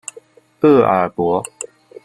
厄尔伯。